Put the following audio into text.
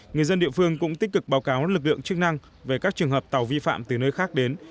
người dân địa phương cũng tích cực báo cáo lực lượng chức năng về các trường hợp tàu vi phạm từ nơi khác đến